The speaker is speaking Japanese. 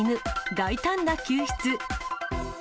大胆な救出。